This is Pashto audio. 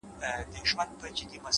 د باد نرم حرکت د چاپېریال ژبه بدلوي’